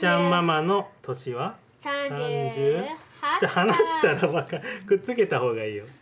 離したらくっつけた方がいいよ。